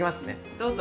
どうぞ。